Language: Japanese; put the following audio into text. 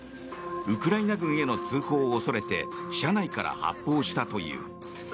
ウクライナ軍への通報を恐れて車内から発砲したという。